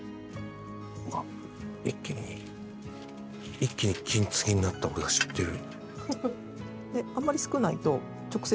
一気に一気に金継ぎになった俺が知ってる。